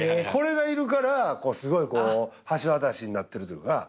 これがいるからすごいこう橋渡しになってるというか。